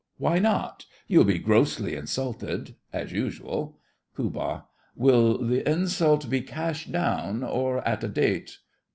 Why not! You'll be grossly insulted, as usual. POOH. Will the insult be cash down, or at a date?